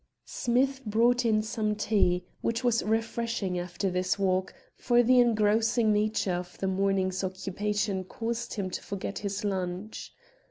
Smith brought in some tea, which was refreshing after his walk, for the engrossing nature of the morning's occupation caused him to forget his lunch.